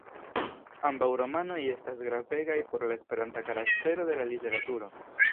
Ambaŭ romanoj estas gravegaj por la esperanta karaktero de la literaturo.